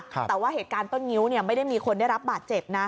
แต่ว่าเหตุการณ์ต้นงิ้วไม่ได้มีคนได้รับบาดเจ็บนะ